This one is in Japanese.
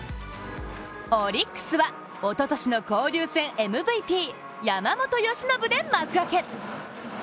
オリックスは、おととしの交流戦ＭＶＰ山本由伸で幕開け。